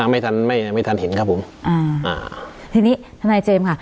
ไม่ทันไม่ไม่ทันเห็นครับผมอ่าอ่าทีนี้ทนายเจมส์ค่ะ